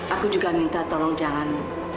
aku juga minta tolong jangan